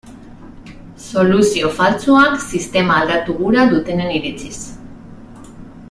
Soluzio faltsuak, sistema aldatu gura dutenen iritziz.